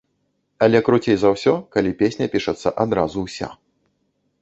Але круцей за ўсё, калі песня пішацца адразу ўся.